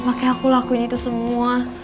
makanya aku lakuin itu semua